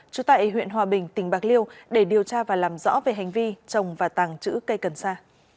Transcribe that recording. trú tại huyện hòa bình tỉnh bạc liêu để điều tra và làm rõ về hành vi trồng và tàng trữ cây cần sa